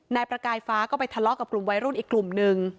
นายประกายฟ้าก็ไปทะเลาะกับกลุ่มวัยรุ่นอีกกลุ่มนึง